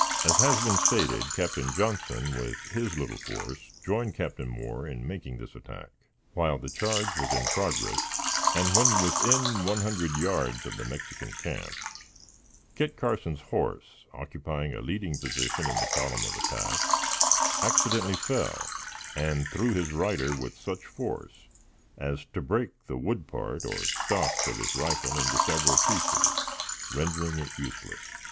As has been stated, Captain Johnson, with his little force, joined Captain Moore in making this attack. While the charge was in progress, and when within one hundred yards of the Mexican camp, Kit Carson's horse, occupying a leading position in the column of attack, accidentally fell, and threw his rider with such force as to break the wood part, or stock, of his rifle into several pieces, rendering it useless.